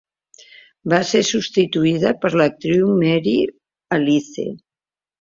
Va ser substituïda per l'actriu Mary Alice.